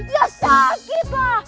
ya sakit lah